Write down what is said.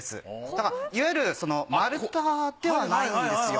だからいわゆる丸太ではないんですよ。